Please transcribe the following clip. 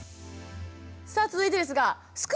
さあ続いてですがすく